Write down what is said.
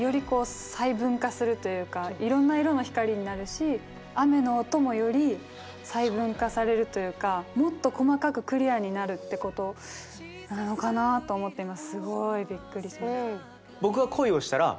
こう細分化するというかいろんな色の光になるし雨の音もより細分化されるというかもっと細かくクリアになるってことなのかなあと思って今すごいびっくりしました。